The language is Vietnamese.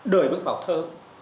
đời bước vào thơ